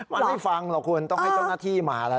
มันไม่ฟังหรอกคุณต้องให้เจ้าหน้าที่มาแล้ว